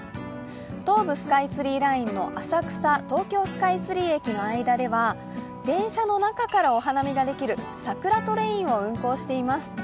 東武スカイツリーラインの浅草−とうきょうスカイツリー駅の間では電車の中からお花見ができるサクラトレインを運行しています。